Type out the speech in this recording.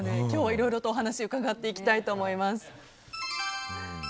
今日はいろいろとお話を伺っていきたいと思います。